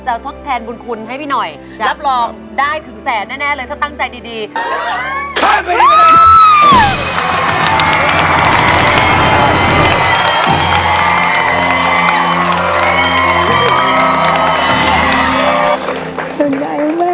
จนได้แม่ทำเงินได้